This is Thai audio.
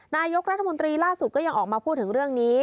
นายกรัฐมนตรีล่าสุดก็ยังออกมาพูดถึงเรื่องนี้